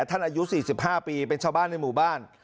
อายุ๔๕ปีเป็นชาวบ้านในหมู่บ้าน